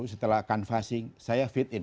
setelah kanvasi saya fit in